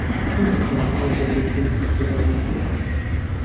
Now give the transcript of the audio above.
چۆن دەتوانیت ئەوەندە گەشبین بیت بە داهاتوو؟